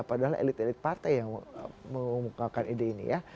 padahal elit elit partai yang mengumumkakan ide ini ya